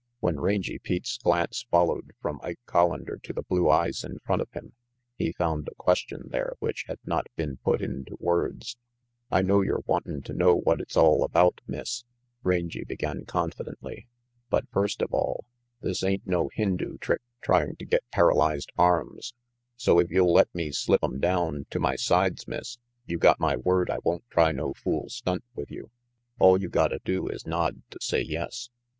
When Rangy Pete's glance returned from Ike Collander to the blue eyes in front of him, he found a question there which had not been put into words. "I know you're wantin' to know what it's all about, Miss," Rangy began confidently. "But first of all, this ain't no Hindoo trick trying to get para lyzed arms, so if you'll let me slip 'em down to my sides, Miss, you got my word I won't try no fool stunt with you. All you gotta do is nod to say * yes.